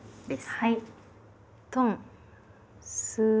はい。